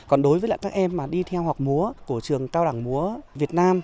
còn đối với lại các em mà đi theo học múa của trường cao đẳng múa việt nam